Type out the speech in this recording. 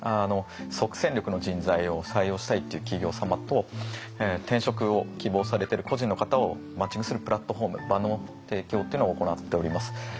即戦力の人材を採用したいという企業様と転職を希望されている個人の方をマッチングするプラットフォーム場の提供っていうのを行っております。